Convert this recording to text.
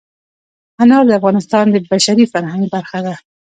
انار د افغانستان د بشري فرهنګ برخه ده.